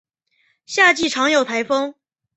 夏季常有台风。